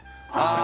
あ。